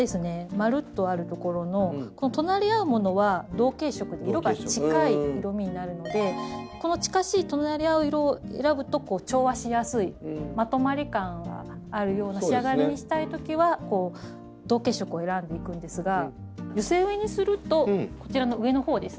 まるっとある所の隣り合うものは同系色で色が近い色みになるのでこの近しい隣り合う色を選ぶと調和しやすいまとまり感があるような仕上がりにしたいときは同系色を選んでいくんですが寄せ植えにするとこちらの上のほうですね。